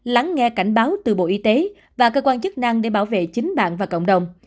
lắng nghe cảnh báo từ bộ y tế và cơ quan chức năng để bảo vệ chính bạn và cộng đồng